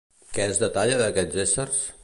Què es detalla d'aquests éssers?